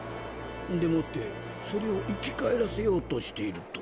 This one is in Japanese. んでもってそれを生き返らせようとしていると。